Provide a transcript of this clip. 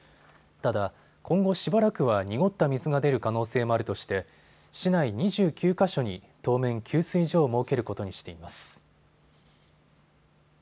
ただ、今後しばらくは濁った水が出る可能性もあるとして市内２９か所に当面給水所を設けることにしています。